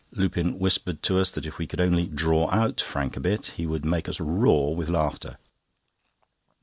Lupin whispered to us that if we could only "draw out" Harry a bit, he would make us roar with laughter.